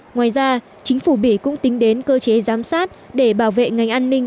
ngoài ra chính phủ bỉ cũng tính đến cơ chế giám sát để bảo vệ ngành an ninh